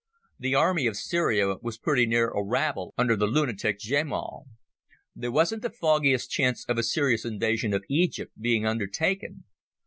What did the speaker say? The Army of Syria was pretty nearly a rabble under the lunatic Djemal. There wasn't the foggiest chance of a serious invasion of Egypt being undertaken.